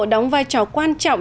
đóng vai trò quan trọng